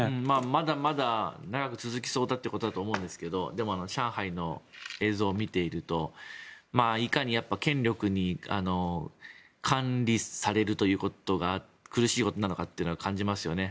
まだまだ長く続きそうだということだと思うんですがでも、上海の映像を見ているといかに権力に管理されるということが苦しいことなのかってのが感じますよね。